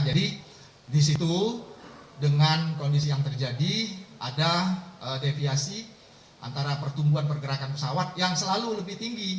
jadi di situ dengan kondisi yang terjadi ada deviasi antara pertumbuhan pergerakan pesawat yang selalu lebih tinggi